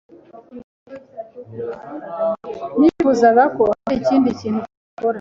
Nifuzaga ko hari ikindi kintu twakora.